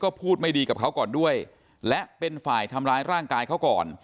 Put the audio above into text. ก็พูดไม่ดีกับเขาก่อนด้วยและเป็นฝ่ายทำร้ายร่างกายเขาก่อน